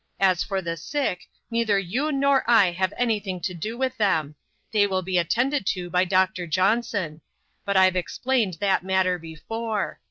As for the sick, neither you nor I have anything to do with them ; they will be attended to by Doctor Johnson ; but I've explained that matter before.